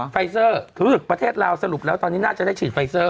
ไฟเซอร์คือประเทศลาวสรุปแล้วตอนนี้น่าจะได้ฉีดไฟเซอร์